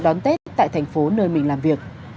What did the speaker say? đón tết tại thành phố nơi mình làm việc